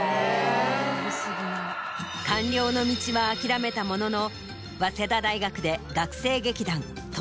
官僚の道は諦めたものの早稲田大学で。